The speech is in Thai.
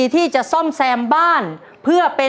ถูก